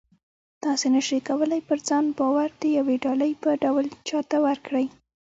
تاسې نه شئ کولی پر ځان باور د یوې ډالۍ په ډول چاته ورکړئ